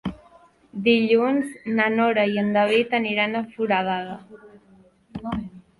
Dilluns na Nora i en David aniran a Foradada.